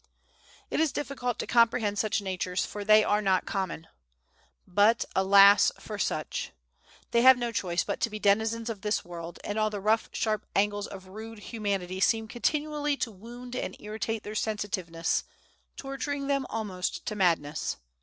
It is difficult to comprehend such natures, for they are not common. But, alas for such! They have no choice but to be denizens of this world, and all the rough, sharp angles of rude Humanity seem continually to wound and irritate their sensitiveness, torturing them almost to madness.